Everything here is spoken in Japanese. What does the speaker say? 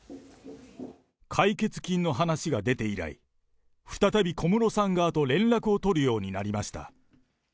解決金の話が出て以来、再び小室さん側と連絡を取るようになりました。